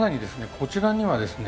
こちらにはですね